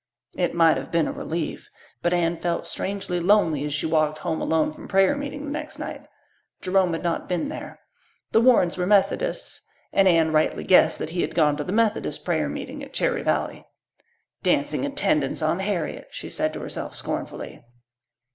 It might have been a relief, but Anne felt strangely lonely as she walked home alone from prayer meeting the next night. Jerome had not been there. The Warrens were Methodists and Anne rightly guessed that he had gone to the Methodist prayer meeting at Cherry Valley. "Dancing attendance on Harriet," she said to herself scornfully.